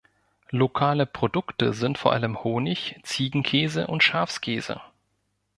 Lokale Produkte sind vor allem Honig, Ziegenkäse und Schafskäse.